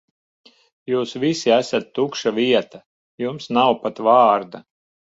Jūs visi esat tukša vieta, jums nav pat vārda.